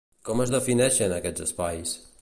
Com es defineixen, aquests espais?